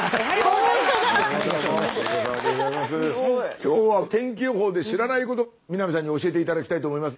今日は天気予報で知らないこと南さんに教えて頂きたいと思います。